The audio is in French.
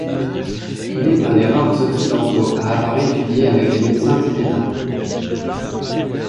Il est un des rares occidentaux à avoir étudié avec des médecins tibétains.